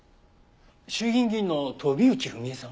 衆議院議員の飛内文枝さん？